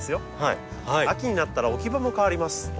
秋になったら置き場も変わります。